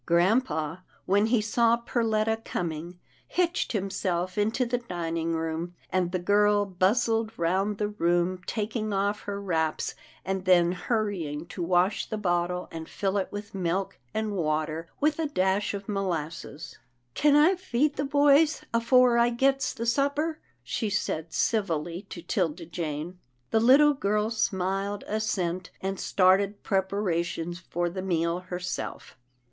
Grampa, when he saw Perletta coming, hitched himself into the dining room, and the girl bustled round the room, taking off her wraps, and then hurrying to wash the bottle, and fill it with milk and water with a dash 'of molasses. " Kin I feed the boys afore I gets the supper? " she said civilly to 'Tilda Jane. The little girl smiled assent, and started prepara tions for the meal herself.